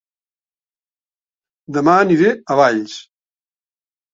Dema aniré a Valls